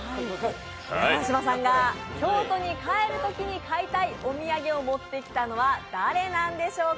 川島さんが京都に帰るときに買いたいお土産を持ってきたのは誰なんでしょうか。